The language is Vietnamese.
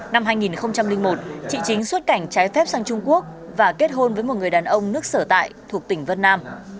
năm hai nghìn một chị chính xuất cảnh trái phép sang trung quốc và kết hôn với một người đàn ông nước sở tại thuộc tỉnh vân nam